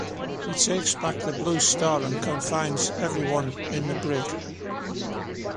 He takes back the Blue Star and confines everyone in the brig.